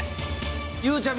ゆうちゃみ。